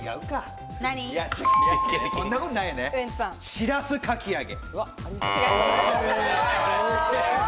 しらすかき揚げ。